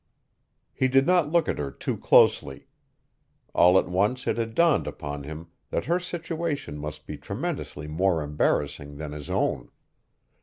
He did not look at her too closely. All at once it had dawned upon him that her situation must be tremendously more embarrassing than his own.